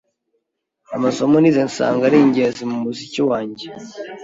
amasomo nize nsanga ari ingezi mu muziki wange